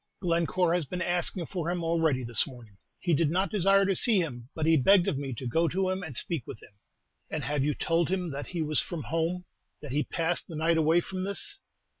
"Glencore has been asking for him already this morning. He did not desire to see him, but he begged of me to go to him and speak with him." "And have you told him that he was from home, that he passed the night away from this?"